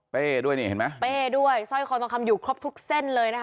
ด้วยนี่เห็นไหมเป้ด้วยสร้อยคอทองคำอยู่ครบทุกเส้นเลยนะคะ